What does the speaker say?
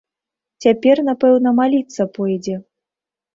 Цяпер, напэўна, маліцца пойдзе!